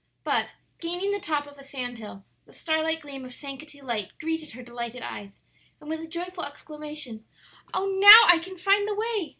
But, gaining the top of a sand hill, the star like gleam of Sankaty Light greeted her delighted eyes, and with a joyful exclamation, "Oh, now I can find the way!"